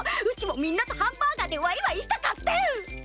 うちもみんなとハンバーガーでワイワイしたかってん！